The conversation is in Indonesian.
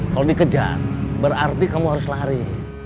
kalau dikejar berarti kamu harus lari